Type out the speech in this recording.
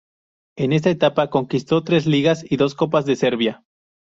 En esta etapa conquistó tres Ligas y dos Copas de Serbia.